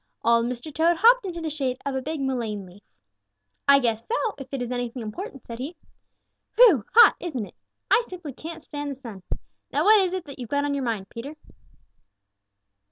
Old Mr. Toad hopped into the shade of a big mullein leaf. "I guess so, if it is anything important," said he. "Phew! Hot, isn't it? I simply can't stand the sun. Now what is that you've got on your mind, Peter?"